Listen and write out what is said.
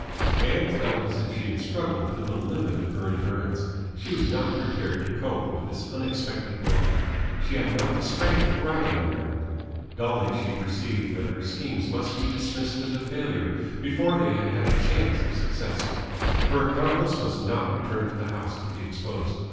Ann felt as if she had struggled to the limit of her endurance. She was not prepared to cope with this unexpected blow. She had not the strength to rally under it. Dully she perceived that her schemes must be dismissed as a failure before they had had a chance of success. Her accomplice must not return to the house to be exposed.